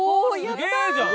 すげえじゃん！